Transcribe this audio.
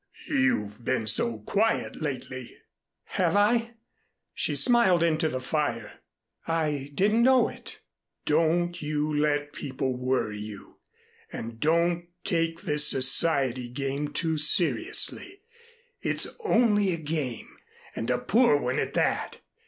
"You've been so quiet lately." "Have I?" she smiled into the fire. "I didn't know it." "Don't you let people worry you, and don't take this society game too seriously. It's only a game, and a poor one at that.